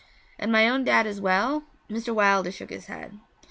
'And my own dad as well?' Mr. Wilder shook his head.